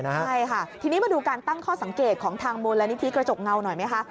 ใช่ค่ะทีนี้มาดูการตั้งข้อสังเกตของทางมูลนิธิกระจกเงาหน่อยไหมคะ